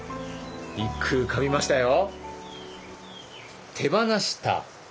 一句浮かびましたよ。